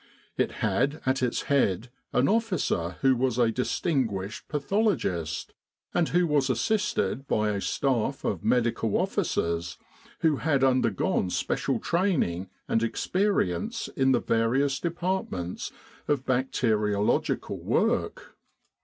It had at its head an officer who was a distin guished pathologist, and who was assisted by a staff of M.O.'s who had undergone special training and experience in the various departments of bacteriologi cal work.